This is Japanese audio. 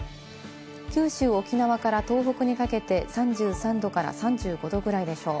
九州、沖縄から東北にかけて３３度から３５度ぐらいでしょう。